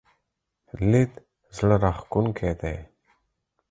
لید زړه راښکونکی دی.